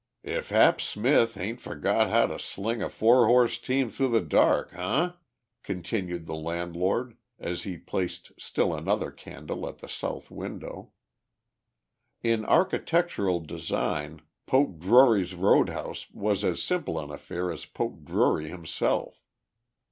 "If Hap Smith ain't forgot how to sling a four horse team through the dark, huh?" continued the landlord as he placed still another candle at the south window. In architectural design Poke Drury's road house was as simple an affair as Poke Drury himself.